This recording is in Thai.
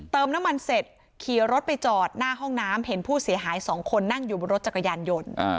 น้ำมันเสร็จขี่รถไปจอดหน้าห้องน้ำเห็นผู้เสียหายสองคนนั่งอยู่บนรถจักรยานยนต์